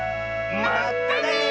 まったね！